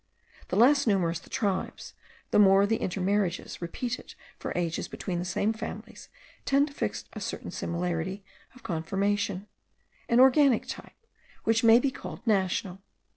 The less numerous the tribes, the more the intermarriages repeated for ages between the same families tend to fix a certain similarity of conformation, an organic type, which may be called national.